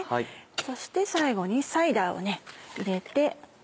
そして最後にサイダーを入れて。